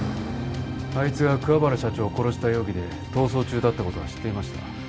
あいつが桑原社長を殺した容疑で逃走中だって事は知っていました。